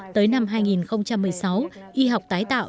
tới năm hai nghìn một mươi sáu y học tái tạo